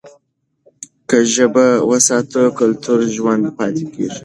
که ژبه وساتو، کلتور ژوندي پاتې کېږي.